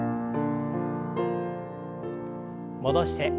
戻して。